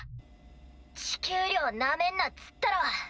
地球寮なめんなっつったろ。